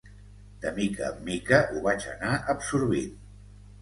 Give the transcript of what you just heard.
De mica en mica ho vaig anar absorbint.